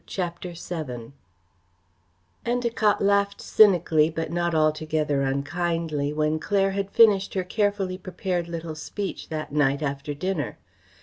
CHAPTER VII Endacott laughed cynically but not altogether unkindly when Claire had finished her carefully prepared little speech that night after dinner.